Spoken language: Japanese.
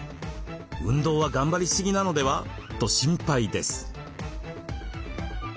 運動は頑張りすぎなのでは？と心配です。